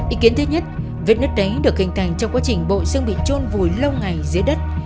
ý kiến thứ nhất vết nứt đấy được hình thành trong quá trình bội xương bị trôn vùi lâu ngày dưới đất